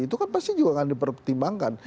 itu kan pasti juga akan dipertimbangkan